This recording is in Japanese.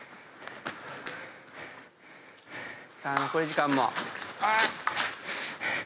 さあ残り時間も。